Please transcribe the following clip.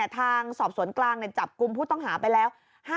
ทางสอบสวนกลางจับกลุ่มผู้ต้องหาไปแล้ว